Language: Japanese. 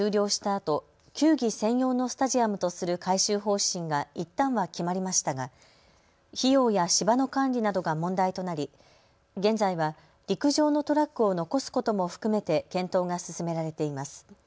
あと球技専用のスタジアムとする改修方針がいったんは決まりましたが費用や芝の管理などが問題となり現在は陸上のトラックを残すことも含めて検討が進められています。